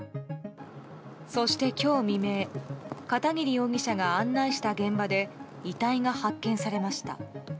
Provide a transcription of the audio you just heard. そして今日未明片桐容疑者が案内した現場で遺体が発見されました。